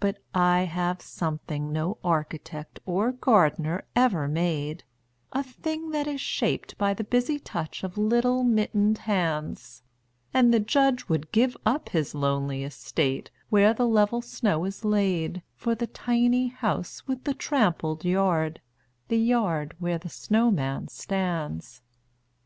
But I have something no architect or gardener ever made, A thing that is shaped by the busy touch of little mittened hands: And the Judge would give up his lonely estate, where the level snow is laid For the tiny house with the trampled yard, the yard where the snowman stands.